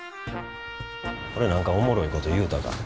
俺何かおもろいこと言うたか？